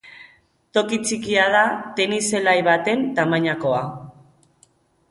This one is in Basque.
Toki txikia da, tenis zelai baten tamainakoa.